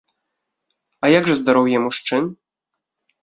А як жа здароўе мужчын?